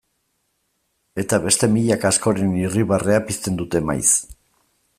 Eta beste milaka askoren irribarrea pizten dute maiz.